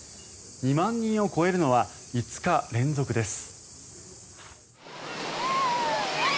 ２万人を超えるのは５日連続です。